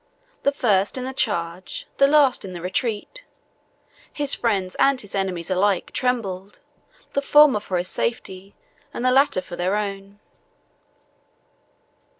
The first in the charge, the last in the retreat, his friends and his enemies alike trembled, the former for his safety, and the latter for their own.